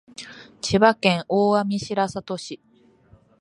千葉県大網白里市